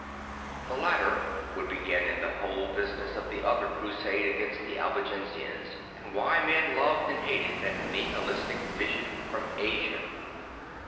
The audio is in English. The latter would bring in the whole business of the other Crusade against the Albigen sians, and why men loved and hated that nihilistic vision from Asia.